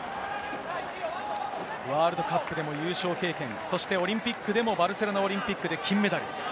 ワールドカップでも優勝経験、そしてオリンピックでもバルセロナオリンピックで金メダル。